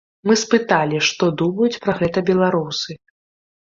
Мы спыталі, што думаюць пра гэта беларусы.